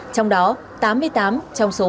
trong đó tám mươi tám trong số tám mươi tám